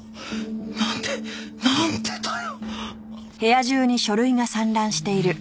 なんでなんでだよ。